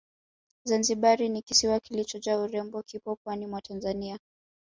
Zanzibari ni kisiwa kilichojaa urembo kipo pwani mwa Tanzania